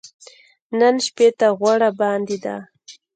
نن شپې ته غوړه باندې ده .